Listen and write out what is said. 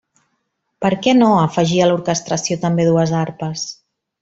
Per què no afegir a l'orquestració també dues arpes?